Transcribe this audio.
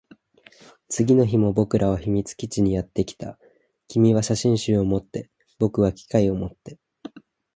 次の日も僕らは秘密基地にやってきた。君は写真集を持って、僕は機械を持って。